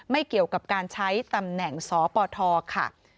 ไม่เกี่ยวกับการใช้ตำแหน่งสปทค่ะ